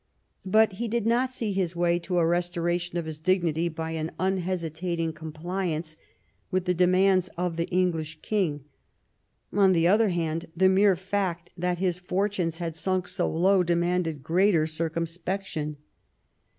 But he did not see his way to a restora tion of his dignity by an unhesitating compliance with the demands of the English king ; on the other hand, the mere fact that his fortunes had sunk so low de manded greater circumspection.